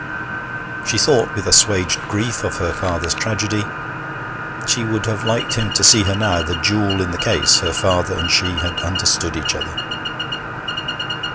She thought with assuaged grief of her father's tragedy; she would have liked him to see her now, the jewel in the case her father and she had understood each other.